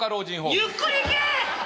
ゆっくり行け！